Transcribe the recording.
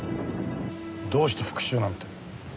どうして復讐なんて。